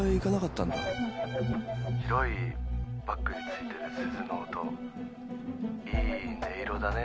白いバッグに付いてる鈴の音いい音色だね。